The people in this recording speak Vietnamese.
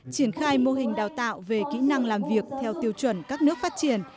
triển khai mô hình đào tạo về kỹ năng làm việc theo tiêu chuẩn các nước phát triển